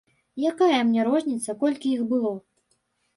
Якая мне розніца, колькі іх было.